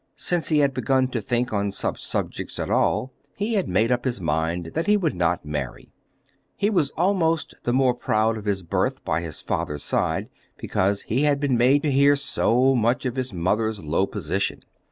Since he had begun to think on such subjects at all he had made up his mind that he would not marry. He was almost the more proud of his birth by his father's side, because he had been made to hear so much of his mother's low position.